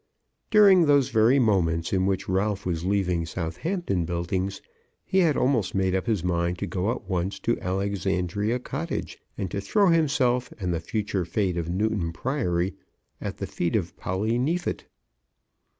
During those very moments in which Ralph was leaving Southampton Buildings he had almost made up his mind to go at once to Alexandria Cottage, and to throw himself and the future fate of Newton Priory at the feet of Polly Neefit.